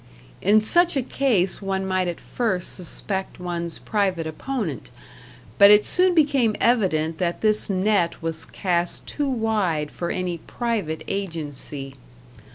In such a case one might at first suspect one's private opponent; but it soon became evident that this net was cast too wide for any private agency.